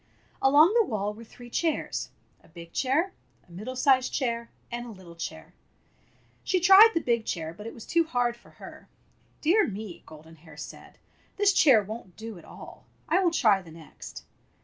Along the wall were three chairs — a big chair, a middle sized chair, and a little chair. She tried the big chair, but it was too hard for her. "Dear me!" Golden Hair said, "this chair won't do at all. I will try the next."